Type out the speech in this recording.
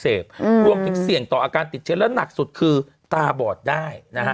อาการอักเสบรวมที่เสี่ยงต่ออาการติดเชื้อและหนักสุดคือตาบอดได้นะฮะ